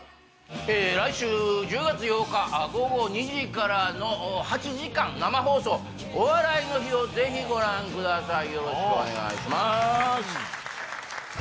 来週１０月８日午後２時からの８時間生放送「お笑いの日」をぜひご覧ください。